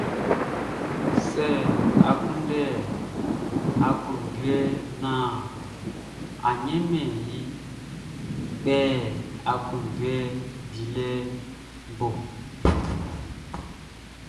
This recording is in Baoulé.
Sɛ a kunndɛ aklunjuɛ naan a wunmɛn iʼn, a kpɛ aklunjuɛ dilɛʼn i bo.